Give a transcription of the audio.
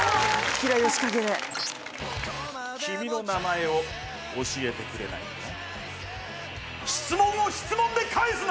君の名前を教えてくれないかな？